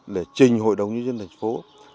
để trình hội đồng nhân dân thành phố